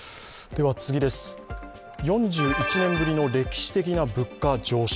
４１年ぶりの歴史的な物価上昇。